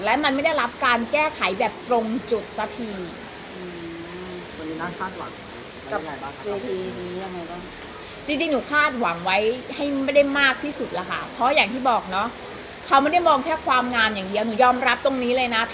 และมันไม่ได้รับการแก้ไขแบบตรงจุดสักที